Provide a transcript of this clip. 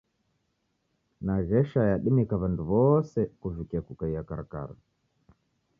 Naghesha yadimika w'andu w'ose kuvikia kukaia karakara.